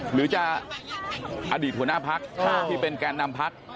หรือจะอดีตหัวหน้าพักที่เป็นแกนนำพัก